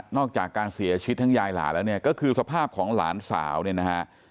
อกจากการเสียชีวิตทั้งยายหลานแล้วเนี่ยก็คือสภาพของหลานสาวเนี่ยนะฮะ